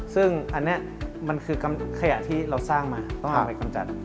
ซึ่งอันนี้มันคือขยะที่เราสร้างมาต้องเอาไปกำจัด